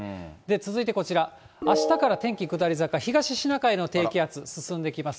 続いてこちら、あしたから天気下り坂、東シナ海の低気圧、進んできます。